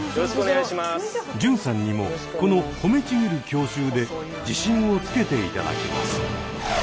純さんにもこのほめちぎる教習で自信をつけていただきます。